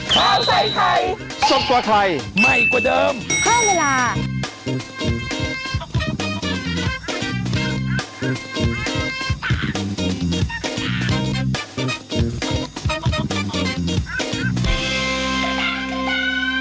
ข้าวใส่ไทยสดกว่าไทยใหม่กว่าเดิมเพิ่มเวลา